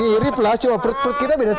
mirip lah cuma perut perut kita beda